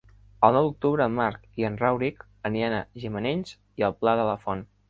El nou d'octubre en Marc i en Rauric aniran a Gimenells i el Pla de la Font.